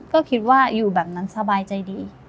ก็คิดว่าอยู่แบบนั้นสบายใจดี